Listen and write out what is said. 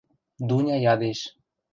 – Дуня ядеш.